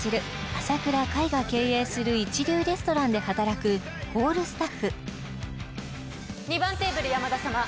朝倉海が経営する一流レストランで働くホールスタッフ２番テーブル山田様